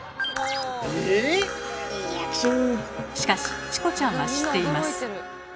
え⁉しかしチコちゃんは知っています。